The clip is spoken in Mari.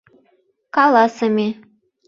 Каласыме.